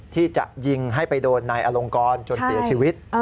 ที่จะยิงให้ไปโดนนายอลงกรจนเสียชีวิต